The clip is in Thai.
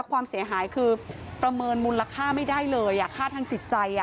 ความเสียหายคือประเมินมูลค่าไม่ได้เลยค่าทางจิตใจ